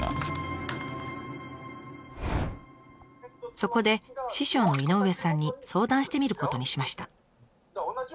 そこで師匠の井上さんに相談してみることにしました。